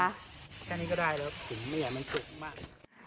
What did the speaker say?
แค่นี้ก็ได้แล้วก็ถึงเนื้อมันถึงมาก